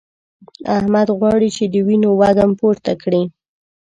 احمد غواړي چې د وينو وږم پورته کړي.